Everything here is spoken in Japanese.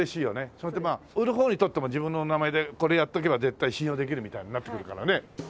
そしてまあ売る方にとっても自分の名前でこれやっておけば絶対信用できるみたいになってくるからね。